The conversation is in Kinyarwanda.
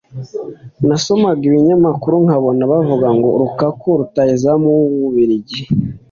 nasomaga ibinyamakuru nkabona bavuga ngo “Lukaku rutahizamu w’Ububiligi